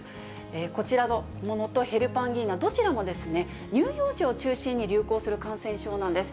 こちらのものとヘルパンギーナ、どちらも乳幼児を中心に流行する感染症なんです。